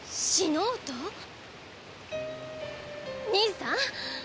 死のうと⁉兄さん